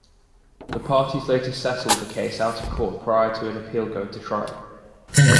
The parties later settled the case out-of-court prior to an appeal going to trial.